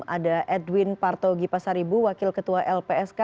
ada edwin parto gipasaribu wakil ketua lpsk